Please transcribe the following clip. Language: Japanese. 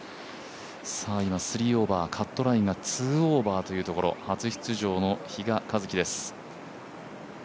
今３オーバー、カットラインが２オーバーというところ初出場の比嘉一貴です。